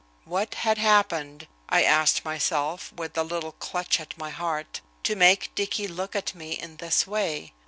"What had happened," I asked myself, with a little clutch at my heart, "to make Dicky look at me in this way?"